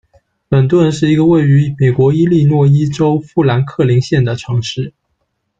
本顿是一个位于美国伊利诺伊州富兰克林县的城市。